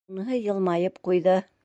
Уныһы йылмайып ҡуйҙы.